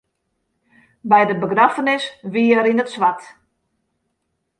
By de begraffenis wie er yn it swart.